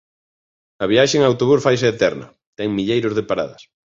A viaxe en autobús faise eterna, ten milleiros de paradas.